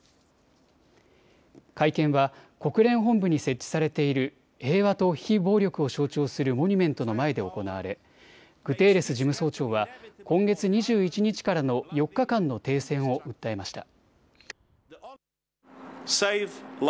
会見は国連本部に設置されている平和と非暴力を象徴するモニュメントの前で行われグテーレス事務総長は今月２１日からの４日間の停戦を訴えました。